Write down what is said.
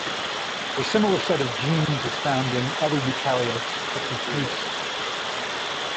A similar set of genes is found in other eukaryotes such as yeast.